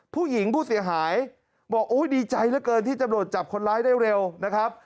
ผู้หญิงผู้เสียหายบอกโอ้ยดีใจเหลือเกินที่ตำรวจจับคนร้ายได้เร็วนะครับ